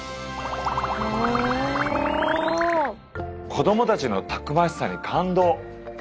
子供たちのたくましさに感動。